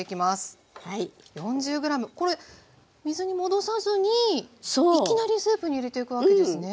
これ水に戻さずにいきなりスープに入れていくわけですね。